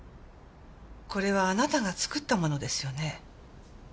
これはあなたが作ったものですよね？